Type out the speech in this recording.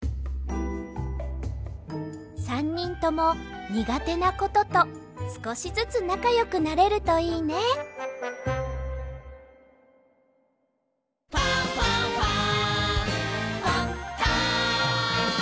３にんともにがてなこととすこしずつなかよくなれるといいね「ファンファンファン」